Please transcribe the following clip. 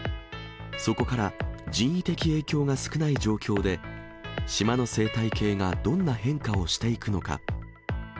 そこから人為的影響が少ない状況で、島の生態系がどんな変化をしていくのか。